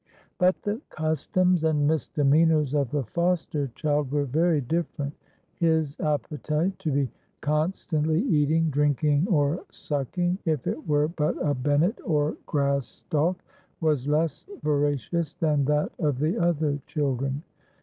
But the customs and misdemeanors of the foster child were very different. His appetite to be constantly eating, drinking, or sucking—if it were but a bennet or grass stalk—was less voracious than that of the other children.